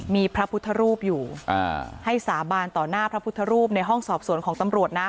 มีพระพุทธรูปอยู่ให้สาบานต่อหน้าพระพุทธรูปในห้องสอบสวนของตำรวจนะ